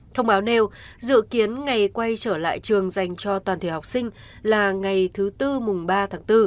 thông báo nêu dự kiến ngày quay trở lại trường dành cho toàn thể học sinh là ngày thứ tư mùng ba tháng bốn